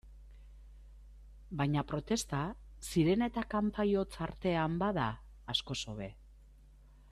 Baina protesta, sirena eta kanpai hots artean bada, askoz hobe.